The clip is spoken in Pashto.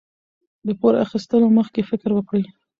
د پور اخیستلو مخکې فکر وکړئ.